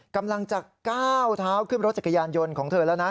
กำลังจะก้าวเท้าขึ้นรถจักรยานยนต์ของเธอแล้วนะ